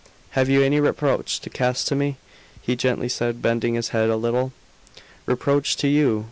"Have you any reproach to cast to me?" he gently said, bending his head a little. "Reproach to you!